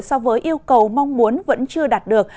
so với yêu cầu mong muốn vẫn chưa đạt được